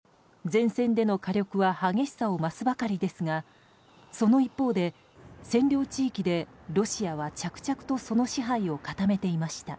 前線での火力は激しさを増すばかりですがその一方で、占領地域でロシアは着々とその支配を固めていました。